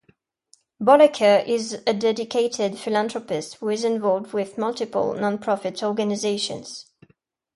Bollacker is a dedicated philanthropist who is involved with multiple non-profit organizations.